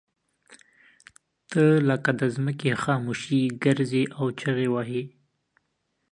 ته لکه د ځمکې خاموشي ګرځې او چغې وهې.